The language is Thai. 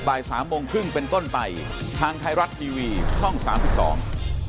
บ่ายสามโมงครึ่งเป็นต้นไปทางไทยรัฐทีวีช่องสามสิบสอง